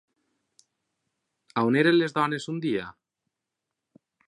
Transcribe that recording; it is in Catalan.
On eren les dones un dia?